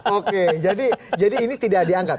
oke jadi ini tidak diangkat